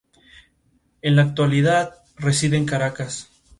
Él revela que se hizo arrestar.